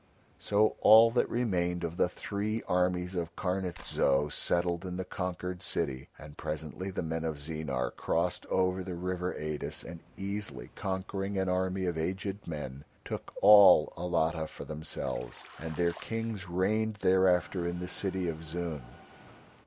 So all that remained of the three armies of Karnith Zo settled in the conquered city. And presently the men of Zeenar crossed over the river Eidis and easily conquering an army of aged men took all Alatta for themselves, and their kings reigned thereafter in the city of Zoon.